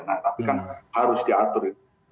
nah tapi kan harus diatur itu